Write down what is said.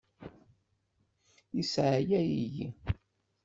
Yesseεyaw-iyi.